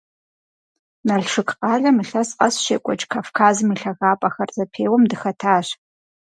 Налшык къалэм илъэс къэс щекӀуэкӀ «Кавказым и лъагапӀэхэр» зэпеуэм дыхэтащ.